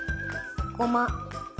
ごま。